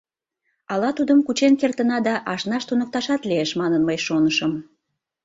Ала тудым кучен кертына да ашнаш туныкташат лиеш, манын мый шонышым.